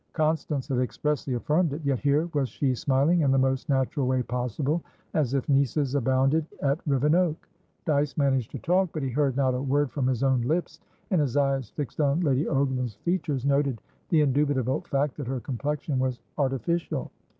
Constance had expressly affirmed ityet here was she smiling in the most natural way possible, as if nieces abounded at Rivenoak. Dyce managed to talk, but he heard not a word from his own lips, and his eyes, fixed on Lady Ogram's features, noted the indubitable fact that her complexion was artificial.